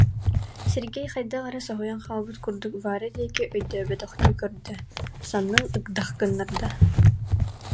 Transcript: Сергей хайдах эрэ соһуйан хаалбыт курдук Варя диэки өйдөөбөтөхтүү көрдө, саннын ыгдах гыннарда